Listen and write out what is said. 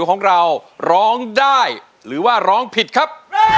ของเราร้องได้หรือว่าร้องผิดครับ